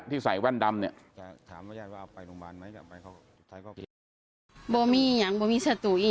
ที่ใส่ว่านดำเนี่ย